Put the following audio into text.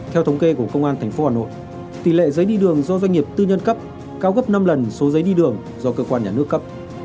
theo thống kê của công an tp hà nội tỷ lệ giấy đi đường do doanh nghiệp tư nhân cấp cao gấp năm lần số giấy đi đường do cơ quan nhà nước cấp